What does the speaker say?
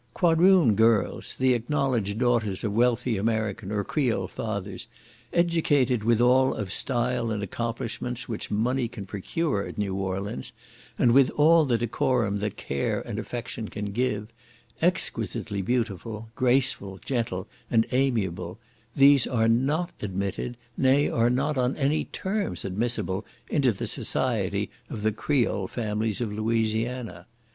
Quadroon girls, the acknowledged daughters of wealthy American or Creole fathers, educated with all of style and accomplishments which money can procure at New Orleans, and with all the decorum that care and affection can give; exquisitely beautiful, graceful, gentle, and amiable, these are not admitted, nay, are not on any terms admissable, into the society of the Creole families of Louisiana.